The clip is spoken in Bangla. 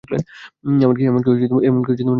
এমনকি, নিজের সম্পর্কেও।